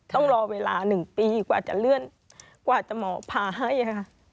ต้องรอเวลา๑ปีกว่าจะเลื่อนกว่าจะหมอผ่าให้ค่ะ